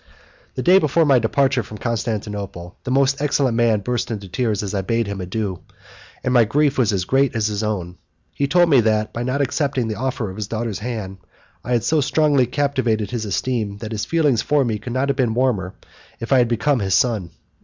The day before my departure from Constantinople, the excellent man burst into tears as I bade him adieu, and my grief was as great as his own. He told me that, by not accepting the offer of his daughter's hand, I had so strongly captivated his esteem that his feelings for me could not have been warmer if I had become his son.